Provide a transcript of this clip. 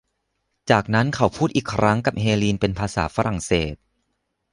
จากนั้นเขาพูดอีกครั้งกับเฮลีนเป็นภาษาฝรั่งเศส